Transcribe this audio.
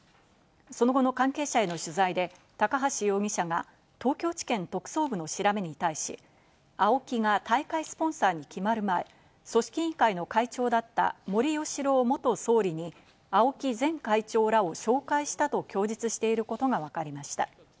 その後の関係者への取材で高橋容疑者が東京地検特捜部の調べに対し、ＡＯＫＩが大会スポンサーに決まる前、組織委員会の会長だった森喜朗元総理にＡＯＫＩ前会長らを紹介したと供述していることがわかりました。